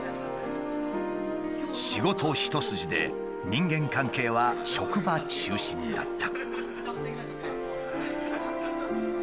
仕事一筋で人間関係は職場中心だった。